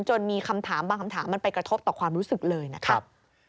จนมีคำถามบางคำถามมันไปกระทบต่อความรู้สึกเลยนะครับ